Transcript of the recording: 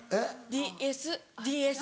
ＤＳＤＳ。